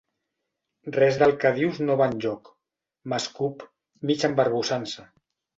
Res del que dius no va enlloc —m'escup, mig embarbussant-se—.